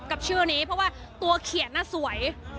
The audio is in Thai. กับชื่อนี้เพราะว่าตัวเขียนน่ะสวย